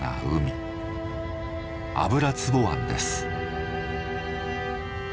油壺湾です。